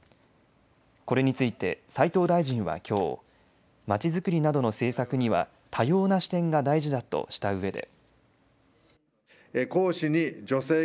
これについて斉藤大臣はきょう、街づくりなどの政策には多様な視点が大事だとしたうえで。